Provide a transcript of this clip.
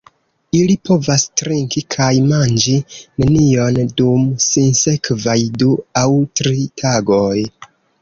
Ili povas trinki kaj manĝi nenion dum sinsekvaj du aŭ tri tagoj.